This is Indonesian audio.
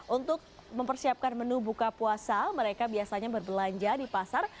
untuk mempersiapkan menu buka puasa mereka biasanya berbelanja di pasar